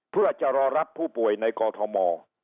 เพื่อจะรอรับผู้ป่วยในกอทม